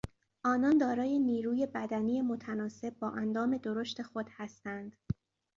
آنان دارای نیروی بدنی متناسب با اندام درشت خود هستند.